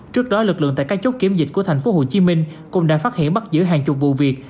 trước đó lực lượng tại các chốt kiểm dịch của tp hcm cũng đã phát hiện bắt giữ hàng chục vụ việc